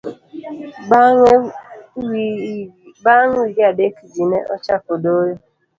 bang' wige adek ji ne ochako doyo